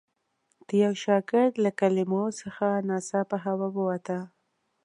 د یوه شاګرد له کلمو څخه ناڅاپه هوا ووته.